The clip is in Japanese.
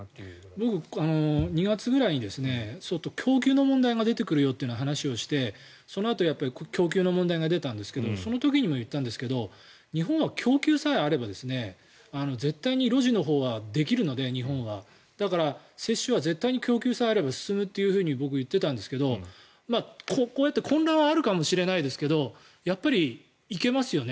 僕、２月ぐらいに供給の問題が出てくるという話をして、そのあと供給の問題が出たんですがその時にも言ったんですが日本は供給さえあれば絶対にロジのほうはできるのでだから接種は絶対に供給さえあれば進むと僕、言っていたんですけどもこうやって混乱はあるかもしれないですがやっぱり行けますよね。